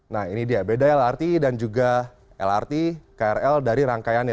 nah ini dia beda lrt dan juga lrt krl dari rangkaiannya